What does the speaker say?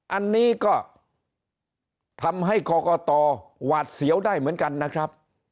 อันนี้ก็ทำให้กรกตหวาดเสียวได้เหมือนกันนะครับ